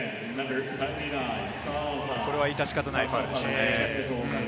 これは致し方ないファウルでしたね。